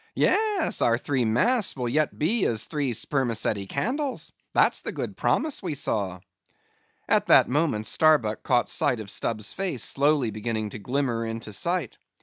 Yes, our three masts will yet be as three spermaceti candles—that's the good promise we saw." At that moment Starbuck caught sight of Stubb's face slowly beginning to glimmer into sight.